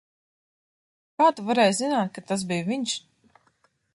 Kā tu varēji zināt, ka tas bija viņš?